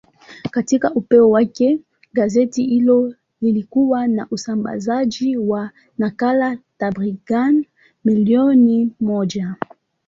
Katika upeo wake, gazeti hilo lilikuwa na usambazaji wa nakala takriban milioni moja.